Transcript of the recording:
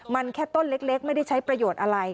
มันแค่ต้นเล็กไม่ได้ใช้ประโยชน์อะไร